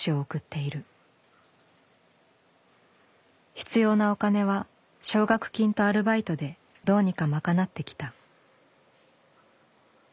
必要なお金は奨学金とアルバイトでどうにか賄ってきた。